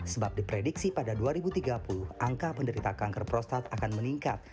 sebab diprediksi pada dua ribu tiga puluh angka penderita kanker prostat akan meningkat